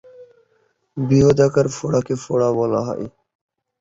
বৃহদাকার ফোড়াকে ফোড়া বলা হয়।